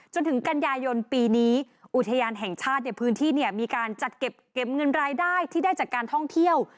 จนถึงกันยายนปีนี้อุทยานแห่งชาติในพื้นที่เนี่ยมีการจัดเก็บเงินรายได้ที่ได้จากการท่องเที่ยว